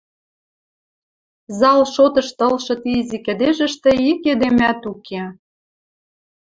Зал шотышты ылшы ти изи кӹдежӹштӹ ик эдемӓт уке.